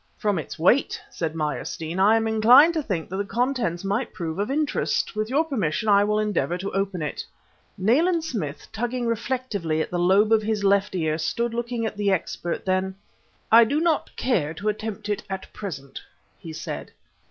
"From its weight," said Meyerstein, "I am inclined to think that the contents might prove of interest. With your permission I will endeavor to open it." Nayland Smith, tugging reflectively at the lobe of his left ear, stood looking at the expert. Then "I do not care to attempt it at present," he said.